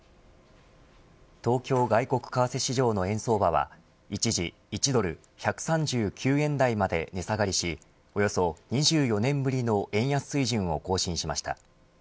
東京外国為替市場の円相場は一時、１ドル１３９円台まで値下がりしおよそ２４年ぶりの円安水準を更新しました。